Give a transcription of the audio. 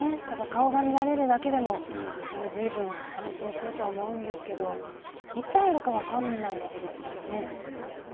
顔が見られるだけでも十分安心するとは思うんですけれどいつ会えるか分からないわけですよね。